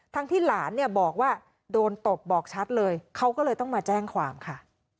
ที่หลานเนี่ยบอกว่าโดนตบบอกชัดเลยเขาก็เลยต้องมาแจ้งความค่ะ